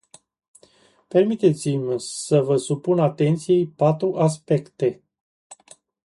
Permiteți-mi să vă supun atenției patru aspecte.